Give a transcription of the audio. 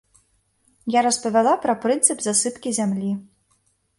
Я распавяла пра прынцып засыпкі зямлі.